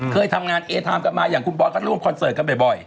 เคยทำงานเอไทม์กันมาอย่างคุณบอสก็ร่วมคอนเสิร์ตกันบ่อย